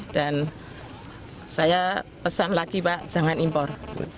dan saya pesan lagi pak jangan impor